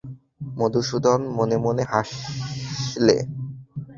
মধুসূদন মনে মনে হাসলে।